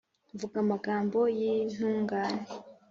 Mvuga amagambo y'intungane!